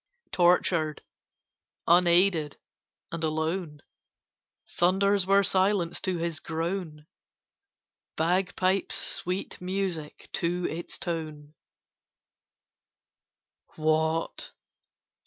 Tortured, unaided, and alone, Thunders were silence to his groan, Bagpipes sweet music to its tone: "What?